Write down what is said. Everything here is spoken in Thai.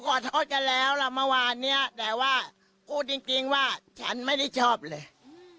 ขอโทษกันแล้วล่ะเมื่อวานเนี้ยแต่ว่าพูดจริงว่าฉันไม่ได้ชอบเลย